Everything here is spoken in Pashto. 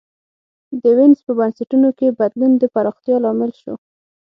د وینز په بنسټونو کي بدلون د پراختیا لامل سو.